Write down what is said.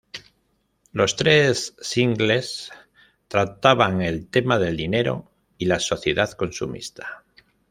Los tres singles trataban el tema del dinero y la sociedad consumista.